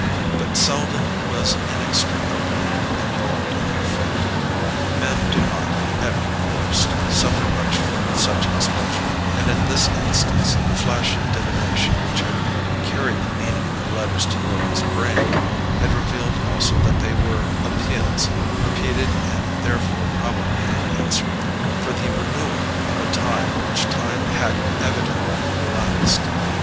But Selden was inextricably involved in their fate. Men do not, at worst, suffer much from such exposure; and in this instance the flash of divination which had carried the meaning of the letters to Lily's brain had revealed also that they were appeals—repeated and therefore probably unanswered—for the renewal of a tie which time had evidently relaxed.